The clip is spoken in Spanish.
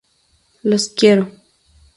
Los quiero.